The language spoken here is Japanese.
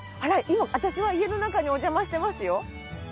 今私は家の中にお邪魔してますよ。